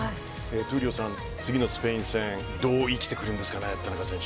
闘莉王さん、次のスペイン戦どう生きてくるんですかね。